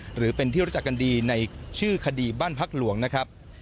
หรือเป็นที่รู้จักกันดีในชื่อคดีบ้านพักหลวงนะครับ